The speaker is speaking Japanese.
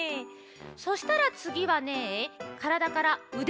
そしたらつぎはねからだからうでをだします。